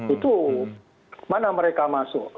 itu mana mereka masuk